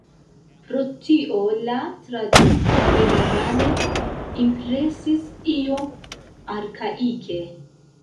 Pro tio la traduko ĝenerale impresis iom arkaike.